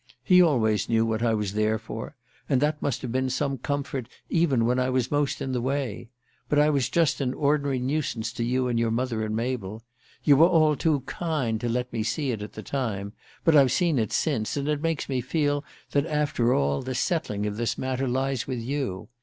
He always knew what I was there for, and that must have been some comfort even when I was most in the way; but I was just an ordinary nuisance to you and your mother and Mabel. You were all too kind to let me see it at the time, but I've seen it since, and it makes me feel that, after all, the settling of this matter lies with you.